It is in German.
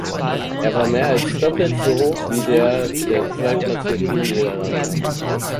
Er war mehr als doppelt so hoch wie der der zweitplatzierten Niederlande.